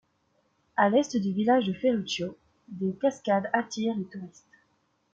À l'est du village de Ferruccio, des cascades attirent les touristes.